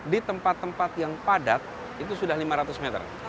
di tempat tempat yang padat itu sudah lima ratus meter